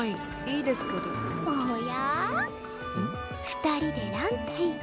２人でランチ。